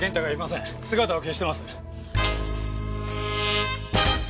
姿を消してます。